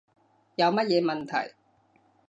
有乜嘢問題